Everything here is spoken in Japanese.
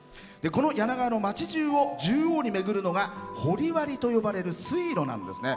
この柳川の町じゅうを縦横に巡るのが掘割と呼ばれる水路なんですね。